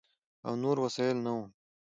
او نور وسایل نه ؤ،